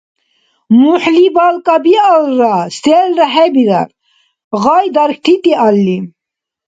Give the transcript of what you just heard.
МухӀли балкӀа биалра, селра хӀебирар, гъай дархьти диалли.